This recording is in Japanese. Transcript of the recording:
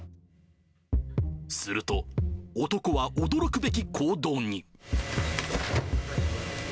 すると、男は驚くべき行動に。